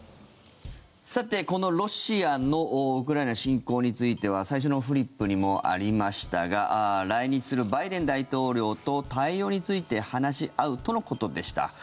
さて、このロシアのウクライナ侵攻については最初のフリップにもありましたが来日するバイデン大統領と対応について話し合うとのことでした。